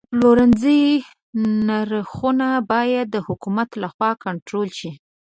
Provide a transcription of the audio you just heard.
د پلورنځي نرخونه باید د حکومت لخوا کنټرول شي.